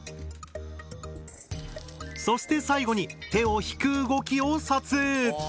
そして最後に手を引く動きを撮影。